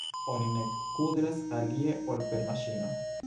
Oni ne kudras alie ol per maŝino.